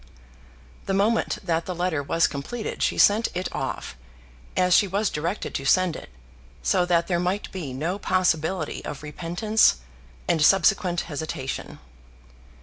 The moment that the letter was completed she sent it off, as she was directed to send it, so that there might be no possibility of repentance and subsequent hesitation.